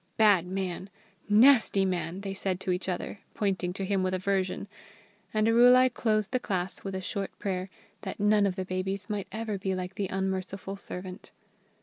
"Bad man! Nasty man!" they said to each other, pointing to him with aversion. And Arulai closed the class with a short prayer that none of the babies might ever be like the Unmerciful Servant.